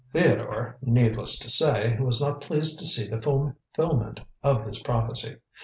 Theodore, needless to say, was not pleased to see the fulfilment of his prophecy.